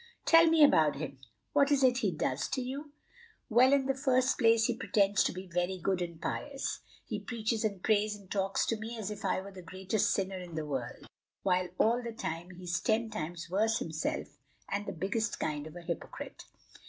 "Tell me about him! what is it he does to you?" "Well, in the first place, he pretends to be very good and pious; he preaches and prays and talks to me as if I were the greatest sinner in the world, while all the time he's ten times worse himself and the biggest kind of a hypocrite.